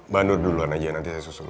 bandur duluan aja nanti saya susun